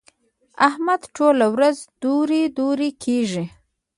احمد ټوله ورځ دورې دورې کېږي.